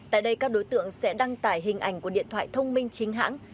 tại đây các đối tượng sẽ đăng tải hình ảnh của điện thoại thông minh chính hãng